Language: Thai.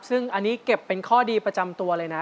ซึ่งอันนี้เก็บเป็นข้อดีประจำตัวเลยนะ